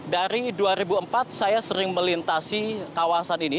dari dua ribu empat saya sering melintasi kawasan ini